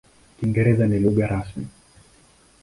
Kiingereza ni lugha rasmi.